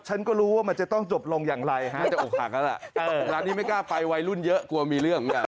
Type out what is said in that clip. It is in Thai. ฉันก็รู้ว่ามันจะต้องจบลงอย่างไรฮะจะอกหักแล้วล่ะร้านนี้ไม่กล้าไปวัยรุ่นเยอะกลัวมีเรื่องเหมือนกัน